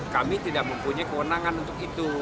kami tidak mempunyai kewenangan untuk itu